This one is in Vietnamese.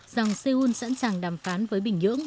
rằng seoul sẵn sàng đàm phán với bình nhưỡng